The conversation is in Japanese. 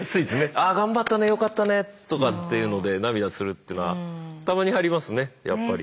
「ああ頑張ったねよかったね」とかっていうので涙するというのはたまにありますねやっぱり。